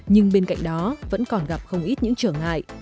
nhưng bên cạnh đó vẫn còn gặp không ít những trở ngại